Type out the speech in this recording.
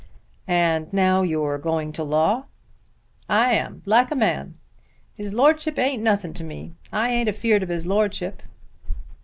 "And now you're going to law?" "I am, like a man. His Lordship ain't nothin' to me. I ain't afeard of his Lordship."